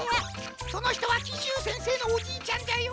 そのひとはキシュウせんせいのおじいちゃんじゃよ。